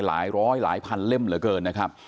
หลายร้อยหลายพันเล่มเหลือเกินนะครับ